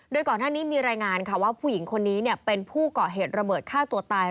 โดยก่อนหน้านี้มีรายงานค่ะว่าผู้หญิงคนนี้เป็นผู้เกาะเหตุระเบิดฆ่าตัวตาย